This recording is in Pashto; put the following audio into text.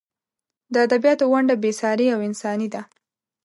د ادبیاتو ونډه بې سارې او انساني ده.